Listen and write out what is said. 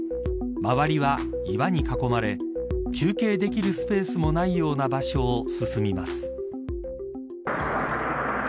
周りは岩に囲まれ休憩できるスペースもないような場所を進みます。